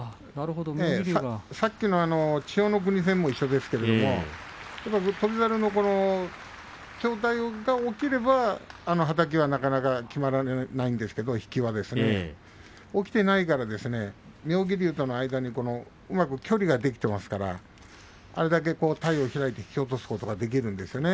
さっきの千代の国戦も一緒ですけれども翔猿は上体が起きればあのはたきはなかなかきまらないんですけれども引きはですね起きていないから妙義龍との間にうまく距離ができていますからあれだけ体を開いて引き落とすことができるんですよね。